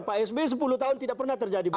pak s b sepuluh tahun tidak pernah terjadi begini